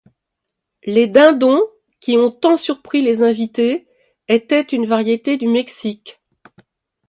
Les dindons, qui ont tant surpris les invités, étaient une variété du Mexique.